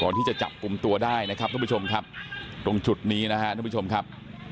ที่จะจับกลุ่มตัวได้นะครับทุกผู้ชมครับตรงจุดนี้นะครับทุกผู้ชมครับ